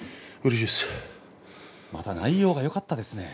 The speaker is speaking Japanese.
また内容がよかったですね。